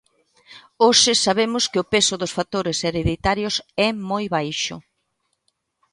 Hoxe sabemos que o peso dos factores hereditarios é moi baixo.